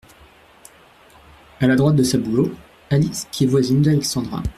À la droite de Saboulot, Alice qui est voisine d’Alexandrin.